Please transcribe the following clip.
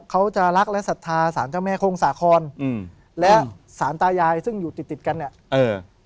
เขาจะรักและศรัทธาสารเจ้าแม่โค้งสาครอืมและสารตายายซึ่งอยู่ติดติดกันเนี้ยเออ